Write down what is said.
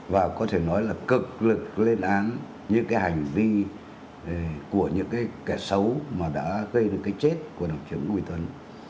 và có thể nói là cực lực lên án những cái hành vi của những cái kẻ xấu mà đã gây được cái chết của đồng chí nguyễn tuấn